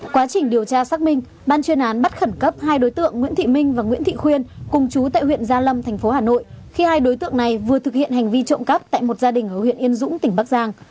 quá trình điều tra xác minh ban chuyên án bắt khẩn cấp hai đối tượng nguyễn thị minh và nguyễn thị khuyên cùng chú tại huyện gia lâm thành phố hà nội khi hai đối tượng này vừa thực hiện hành vi trộm cắp tại một gia đình ở huyện yên dũng tỉnh bắc giang